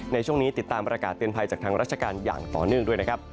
ในช่วงนี้ติดตามประกาศเตือนภัยจากทางราชการอย่างต่อเนื่องด้วยนะครับ